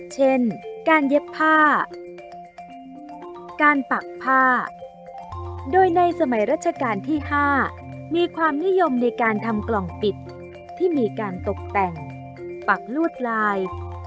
เช่นการเย็บผ้าการปักผ้าโดยในสมัยรัชกาลที่๕มีความนิยมในการทำกล่องปิดที่มีการตกแต่งปักลวดลาย